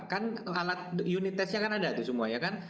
kan alat unit tesnya kan ada semua ya kan